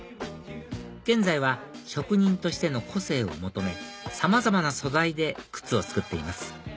現在は職人としての個性を求めさまざまな素材で靴を作っています